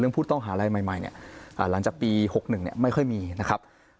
เรื่องผู้ต้องหาอะไรใหม่เนี่ยหลังจากปี๖๑เนี่ยไม่ค่อยมีนะครับ